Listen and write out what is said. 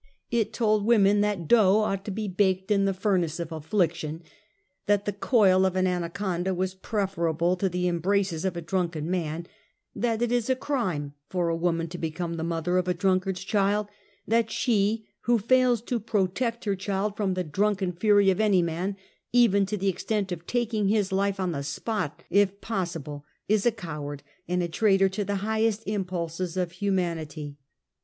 It told women that that dough Many Matters. 149 onglit to be baked in tlie furnace of affliction; that the coil of an anaconda was preferable to the embraces of a drunken man ; that it is a crime for a woman to become the mother of a drunkard's child; that she who fails to protect her child from the drunken fury of any man, even to the extent of taking his life on the spot, if possible, is a coward and a traitor to the highest impulses of humanity.